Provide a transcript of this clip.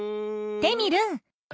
テミルン。